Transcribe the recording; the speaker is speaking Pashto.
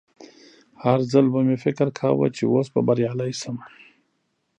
هر ځل به مې فکر کاوه چې اوس به بریالی شم